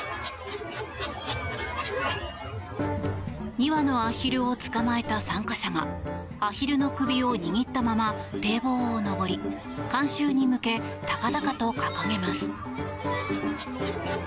２羽のアヒルを捕まえた参加者がアヒルの首を握ったまま堤防を上り観衆に向け、高々と掲げます。